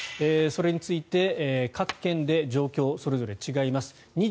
それについて各県で状況、それぞれ違います。